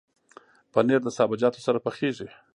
پنېر د سابهجاتو سره پخېږي.